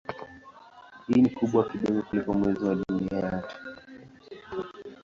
Hii ni kubwa kidogo kuliko Mwezi wa Dunia yetu.